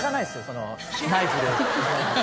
そのナイフで。